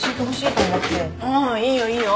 ああいいよいいよ。